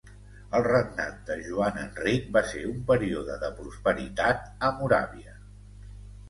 El regnat de Joan Enric va ser un període de prosperitat a Moràvia.